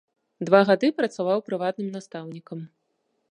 Два гады працаваў прыватным настаўнікам.